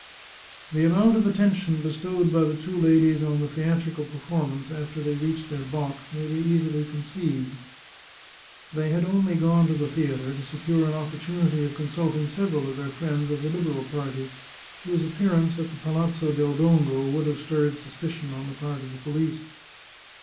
The amount of attention bestowed by the two ladies on the theatrical performance after they reached their box may be easily conceived. They had only gone to the theatre to secure an opportunity of consulting several of their friends of the Liberal party, whose appearance at the Palazzo del Dongo would have stirred suspicion on the part of the police.